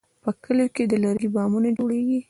په کلیو کې د لرګي بامونه جوړېږي.